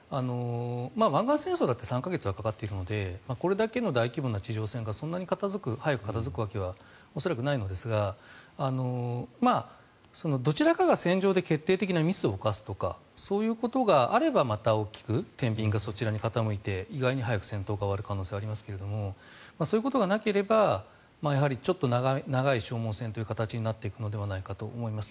湾岸戦争だって３か月はかかっているのでこれだけの大規模な地上戦がそんなに早く片付くわけは恐らくないのですがどちらかが戦場で決定的なミスを犯すとかそういうことがあればまた大きくてんびんがそちらに傾いて意外に早く戦闘が終わる可能性がありますがそういうことがなければやはりちょっと長い消耗戦という形になっていくのではないかと思います。